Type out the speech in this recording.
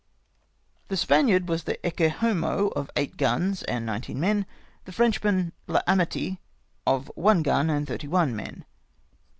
The Spaniard was the Ecce Homo of eight guns and nineteen men, the Frenchman VAmitie of one gun and thirty one men.